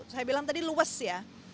saya bilang tadi luas ya